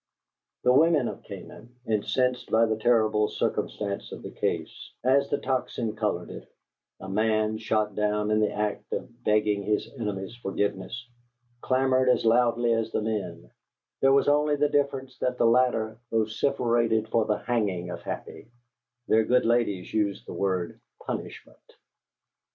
The women of Canaan, incensed by the terrible circumstance of the case, as the Tocsin colored it a man shot down in the act of begging his enemy's forgiveness clamored as loudly as the men: there was only the difference that the latter vociferated for the hanging of Happy; their good ladies used the word "punishment."